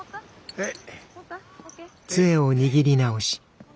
はい。